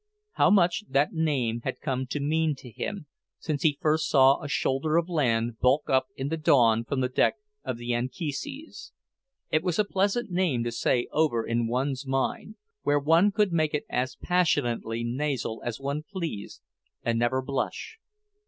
How much that name had come to mean to him, since he first saw a shoulder of land bulk up in the dawn from the deck of the Anchises. It was a pleasant name to say over in one's mind, where one could make it as passionately nasal as one pleased and never blush.